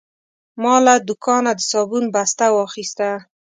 ما له دوکانه د صابون بسته واخیسته.